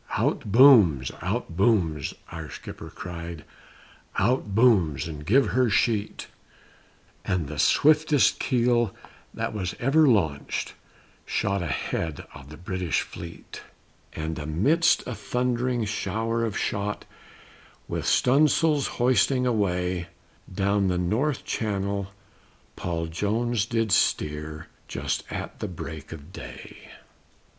"Out booms! out booms!" our skipper cried, "out booms and give her sheet," And the swiftest keel that was ever launched shot ahead of the British fleet, And amidst a thundering shower of shot with stun' sails hoisting away, Down the North Channel Paul Jones did steer just at the break of day.